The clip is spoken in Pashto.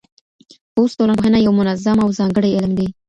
اوس ټولنپوهنه یو منظم او ځانګړی علم دی.